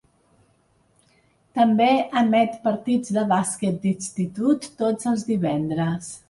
També emet partits de bàsquet d'institut tots els divendres.